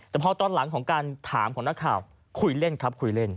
แต่พอตอนหลังของการถามของนักข่าวคุยเล่นครับคุยเล่น